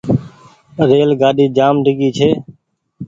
ريل گآڏي جآم ڊيگهي ڇي۔